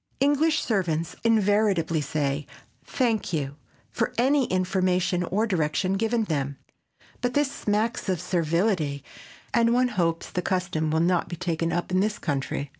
English servants invariably say "Thank you" for any information or direction given them, but this smacks of servility and one hopes the custom will not be taken up in this country.